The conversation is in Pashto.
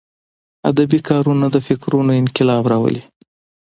ادبي کارونه د فکرونو انقلاب راولي.